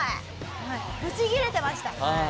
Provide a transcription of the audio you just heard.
はいぶち切れてました。